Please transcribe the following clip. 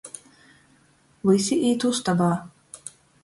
Vysi īt ustobā.